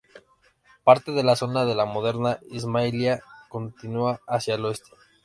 Parte de la zona de la moderna Ismailia y continúa hacia el oeste.